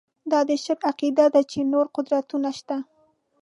دا د شرک عقیده ده چې نور قدرتونه شته.